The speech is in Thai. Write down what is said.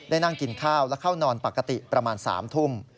นั่งกินข้าวและเข้านอนปกติประมาณ๓ทุ่ม